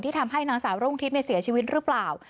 ทำให้นางสาวรุ่งทิพย์เสียชีวิตหรือเปล่า